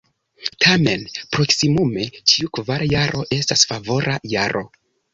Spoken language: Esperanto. Tamen proksimume ĉiu kvara jaro estas favora jaro.